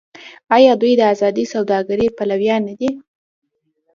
آیا دوی د ازادې سوداګرۍ پلویان نه دي؟